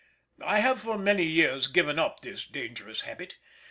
I have for many years given up this dangerous habit.